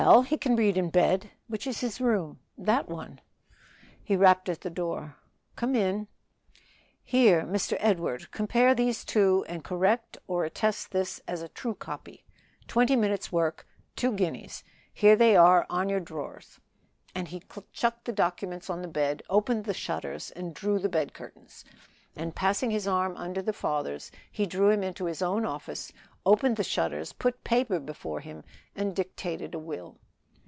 he can read in bed. Which is his room?" "That one." Rap! (Come in.) "Here, Mr. Edward, compare these two, and correct or attest this as a true copy Twenty minutes' work Two guineas; here they are on your drawers;" and he chucked the documents on the bed, opened the shutters, and drew the bed curtains; and passing his arm under the father's, he drew him into his own office, opened the shutters, put paper before him, and dictated a will.